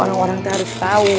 orang orang tuh harus tau tuh